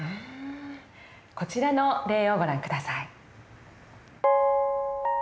こちらの例をご覧下さい。